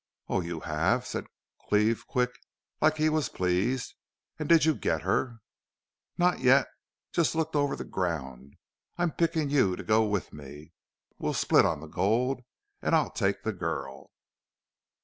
"'Oho! You have,' said Cleve, quick, like he was pleased. 'An' did you get her?' "'Not yet. Just looked over the ground. I'm pickin' you to go with me. We'll split on the gold, an' I'll take the girl.'